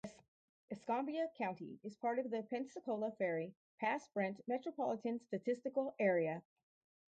Escambia County is part of the Pensacola-Ferry Pass-Brent Metropolitan Statistical Area.